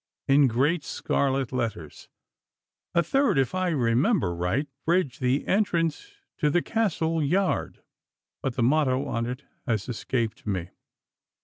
in great scarlet letters. A third, if I remember right, bridged the entrance to the Castle yard, but the motto on it has escaped me.